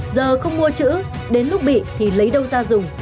giờ không mua chữ đến lúc bị thì lấy đâu ra dùng